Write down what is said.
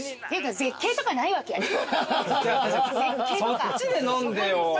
そっちで飲んでよ。